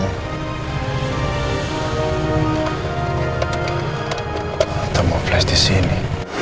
atau mau flash disini